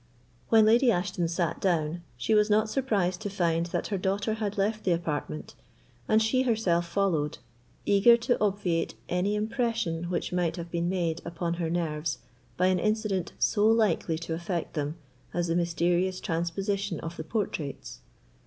When Lady Ashton sat down, she was not surprised to find that her daughter had left the apartment, and she herself followed, eager to obviate any impression which might have been made upon her nerves by an incident so likely to affect them as the mysterious transposition of the portraits.